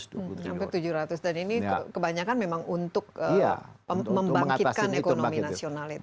hampir tujuh ratus dan ini kebanyakan memang untuk membangkitkan ekonomi nasional itu